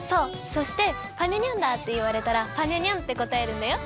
そして「ぱにゃにゃんだー」っていわれたら「ぱにゃにゃん」ってこたえるんだよ。